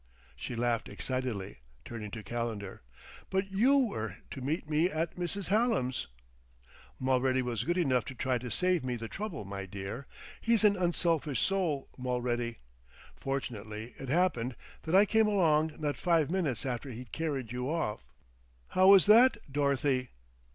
She laughed excitedly, turning to Calendar. "But you were to meet me at Mrs. Hallam's?" "Mulready was good enough to try to save me the trouble, my dear. He's an unselfish soul, Mulready. Fortunately it happened that I came along not five minutes after he'd carried you off. How was that, Dorothy?"